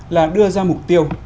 là đưa ra mục tiêu